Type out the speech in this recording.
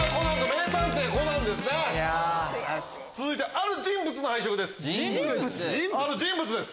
続いてある人物の配色です。